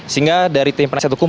sehingga dari tim penasihat hukum